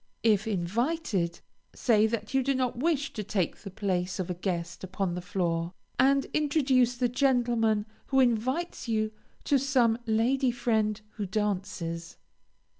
If invited, say that you do not wish to take the place of a guest upon the floor, and introduce the gentleman who invites you to some lady friend who dances.